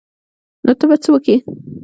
نو ته به څه وکې.